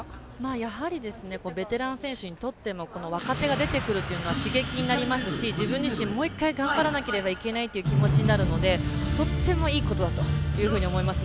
やはりベテラン選手にとっても若手が出てくるっていうのは刺激になりますし自分自身、もう一回頑張らなければいけないという気持ちになるのでとってもいいことだと思います。